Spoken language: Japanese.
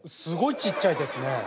すごいちっちゃいですね。